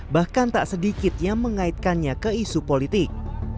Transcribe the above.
bahkan tak sedikit yang mengaitkannya ke isu politik